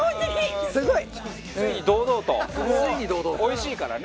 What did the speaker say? おいしいからね。